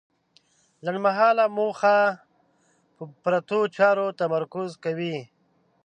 لنډمهاله موخه په پرتو چارو تمرکز کوي.